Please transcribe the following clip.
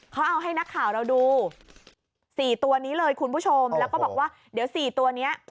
เขาเอาให้นักข่าวเราดูสี่ตัวนี้เลยคุณผู้ชมแล้วก็บอกว่าเดี๋ยวสี่ตัวเนี้ย